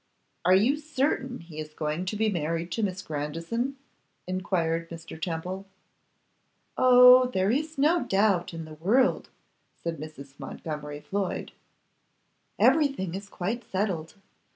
'Are you certain he is going to be married to Miss Grandison?' enquired Mr. Temple. 'Oh! there is no doubt in the world,' said Mrs. Montgomery Floyd. 'Everything is quite settled.